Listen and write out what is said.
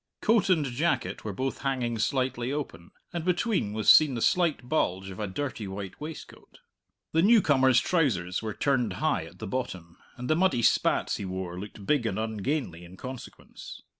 Coat and jacket were both hanging slightly open, and between was seen the slight bulge of a dirty white waistcoat. The newcomer's trousers were turned high at the bottom, and the muddy spats he wore looked big and ungainly in consequence.